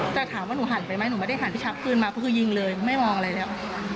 แต่ถามว่าหนูหันไปไหมหนูไม่ได้หันไปชักปืนมาก็คือยิงเลยไม่มองอะไรแล้ว